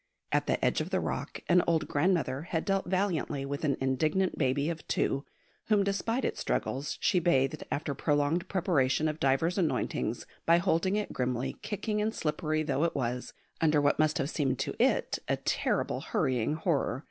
At the edge of the rock an old grandmother had dealt valiantly with an indignant baby of two, whom, despite its struggles, she bathed after prolonged preparation of divers anointings, by holding it grimly, kicking and slippery though it was, under what must have seemed to it a terrible hurrying horror.